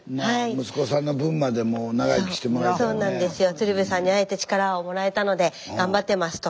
「鶴瓶さんに会えて力をもらえたので頑張ってます」と。